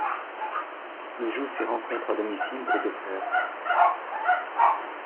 Il joue ses rencontres à domicile au Dr.